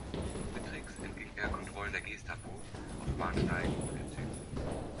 Mit Tricks entging er Kontrollen der Gestapo auf Bahnsteigen und in Zügen.